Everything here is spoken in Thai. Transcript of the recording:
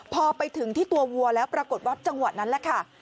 พอไปถึงที่ตัววัวแล้วปรากฏว่าจังหวะนั้นแหละค่ะ